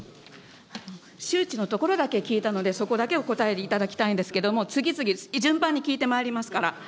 周知のところ大臣聞いたので、そこだけ答えていただきたいんですけど、次々、順番に聞いてまいりますから。